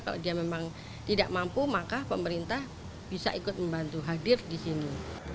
kalau dia memang tidak mampu maka pemerintah bisa ikut membantu hadir di sini